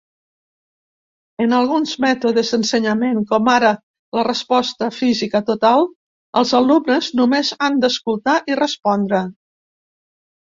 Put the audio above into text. En alguns mètodes d'ensenyament, com ara la Resposta Física Total, els alumnes només han d'escoltar i respondre.